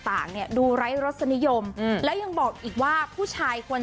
ต่างเนี่ยดูไร้รักษณะยอมอือแล้วยังบอกอีกว่าผู้ชายควร